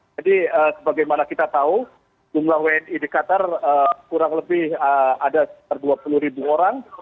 jadi bagaimana kita tahu jumlah wni di qatar kurang lebih ada dua puluh ribu orang